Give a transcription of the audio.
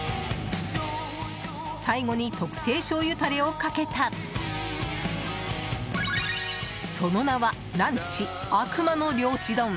最後に特製しょうゆタレをかけたその名は、ランチ悪魔の漁師丼。